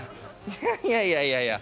いやいやいやいや。